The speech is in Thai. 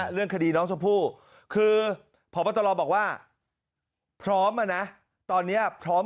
เรื่องคดีน้องสมผู้คือผอบตลอบบอกว่าพร้อมมานะตอนนี้พร้อม